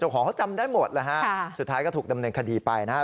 ของเขาจำได้หมดแล้วฮะสุดท้ายก็ถูกดำเนินคดีไปนะฮะ